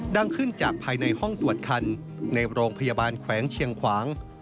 ดังขึ้นจากภายในห้องตรวจคันในโรงพยาบาลแขวงเชียงขวาง